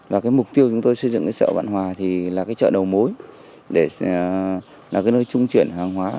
và mục tiêu xây dựng chợ vạn hòa là chợ đầu mối để trung chuyển hàng hóa